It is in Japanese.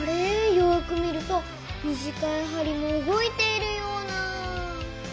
よく見ると短いはりも動いているような？